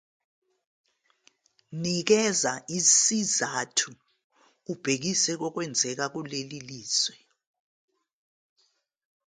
Nikeza isizathu ubhekise kokwenzeka kuleli zwe.